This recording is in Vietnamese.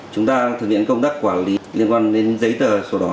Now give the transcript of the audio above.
chúng ta thực hiện công tác quản lý liên quan đến giấy tờ sổ đỏ